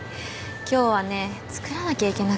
今日はね作らなきゃいけなくて。